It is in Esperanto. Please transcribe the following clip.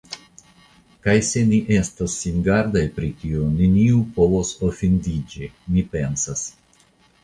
Kaj se ni estos singardaj pri tio, neniu povos ofendiĝi, mi pensas?